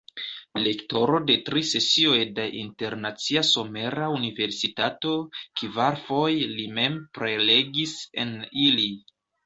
Rektoro de tri sesioj de Internacia Somera Universitato, kvarfoje li mem prelegis en ili.